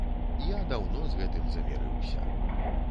Я даўно з гэтым замірыўся.